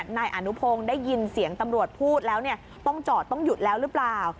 นายอนุพงศ์ได้ยินเสียงตำรวจพูดแล้วต้องจอดต้องหยุดแล้วหรือเปล่า